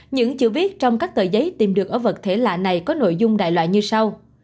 những chữ viết trong các tờ giấy tìm được ở vật thể lạ này có nội dung đại loại như sau